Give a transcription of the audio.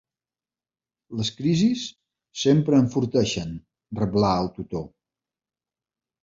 Les crisis sempre enforteixen —reblà el tutor.